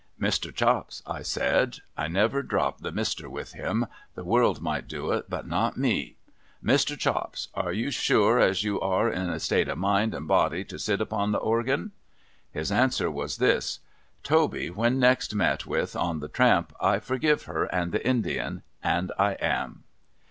' Mr. Chops,' I said (I never dropped the ' Mr.' with him ; the world might do it, but not me) ;' Mr. Chops, are you sure as you are in a state of mind and body to sit upon the organ ?' His answer was this :' Toby, when next met with on the tramp, I forgive her and the Indian. And I am.'